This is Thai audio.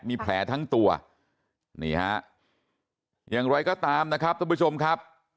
มีแผลทั้งตัวนี่ฮะอย่างไรก็ตามนะครับท่านผู้ชมครับ